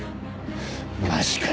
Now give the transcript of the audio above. マジかよ。